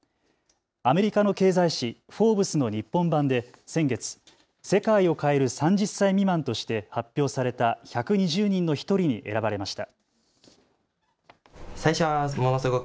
アメリカの経済誌、フォーブスの日本版で先月、世界を変える３０歳未満として発表された１２０人の１人に選ばれました。